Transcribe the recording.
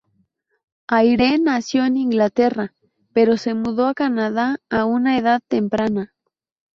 Ayre nació en Inglaterra, pero se mudó a Canadá a una edad temprana.